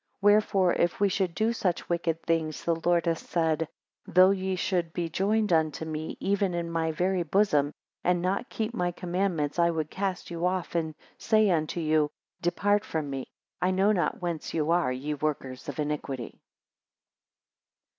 Wherefore, if we should do such wicked things, the Lord hath said; Though ye should be joined unto me, even in my very bosom, and not keep my commandments, I would cast you off, and say unto you; Depart from me; I know not whence you are, ye workers of iniquity.